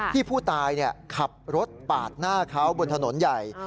ที่ผู้ตายขับรถปาดหน้าเขาบนถนนใหญ่